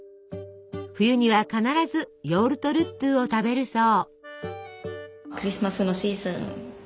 冬には必ずヨウルトルットゥを食べるそう。